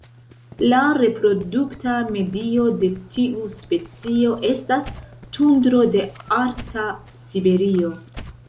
La reprodukta medio de tiu specio estas tundro de arkta Siberio.